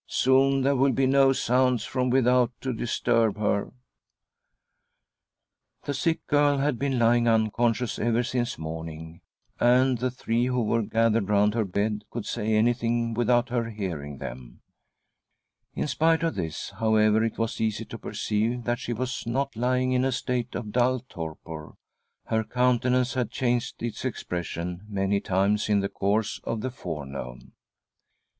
'* Soon there will be no sounds from without to disturb her." The sick giri. had been lying unconscious ever since morning,' and the three who were gathered ■■*■ IS '.'■:.' f •■•'■\'■;,'■ f "■':••;•"•'""■ 12 THY SOUL SHALL BEAR WITNESS !. round her bed could say anything without her : hearing them. In spite of this, however, it was easy to perceive that she was not lying in a state of dull torpor — her countenance had changed its expression many times in the course of the forenoon.